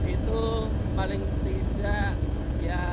itu paling tidak ya